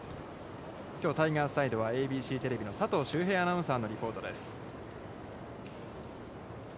きょうタイガースサイドは、ＡＢＣテレビの佐藤秀平アナウンサーのリポートです。